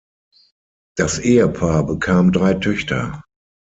Das Ehepaar bekam drei Töchter.